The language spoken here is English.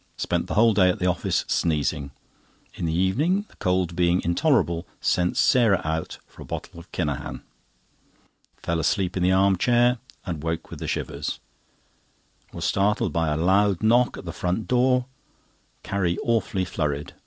Spent the whole day at the office sneezing. In the evening, the cold being intolerable, sent Sarah out for a bottle of Kinahan. Fell asleep in the arm chair, and woke with the shivers. Was startled by a loud knock at the front door. Carrie awfully flurried.